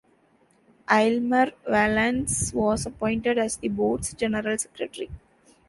Aylmer Vallance was appointed as the board's General Secretary.